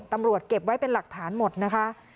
เก็บไว้เป็นหลักฐานหมดนะคะ